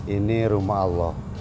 ini rumah allah